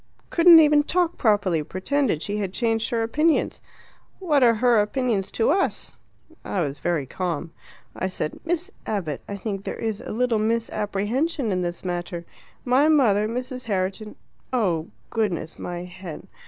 Couldn't even talk properly; pretended she had changed her opinions. What are her opinions to us? I was very calm. I said: 'Miss Abbott, I think there is a little misapprehension in this matter. My mother, Mrs. Herriton ' Oh, goodness, my head!